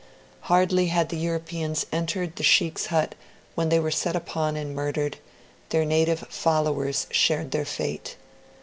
Hardly had the Europeans entered the Sheikh's hut when they were set upon and murdered; their native followers shared their fate.